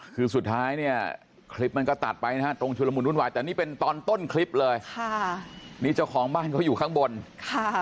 คือสุดท้ายเนี่ยคลิปมันก็ตัดไปนะฮะตรงชุลมุนวุ่นวายแต่นี่เป็นตอนต้นคลิปเลยค่ะนี่เจ้าของบ้านเขาอยู่ข้างบนค่ะ